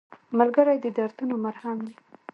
ملګری د دردونو مرهم وي